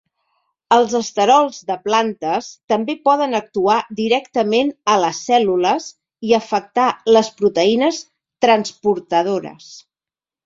Els esterols de plantes també poden actuar directament a les cèl·lules i afectar les proteïnes transportadores.